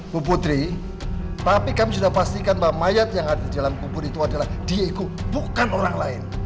bu putri tapi kami sudah pastikan bahwa mayat yang ada di dalam kubur itu adalah diego bukan orang lain